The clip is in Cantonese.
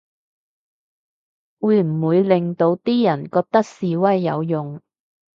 會唔會令到啲人覺得示威有用